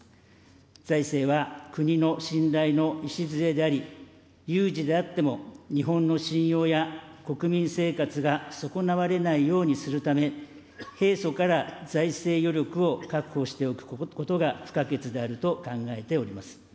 財政は国の信頼の礎であり、有事であっても、日本の信用や国民生活が損なわれないようにするため、平素から財政余力を確保しておくことが不可欠であると考えております。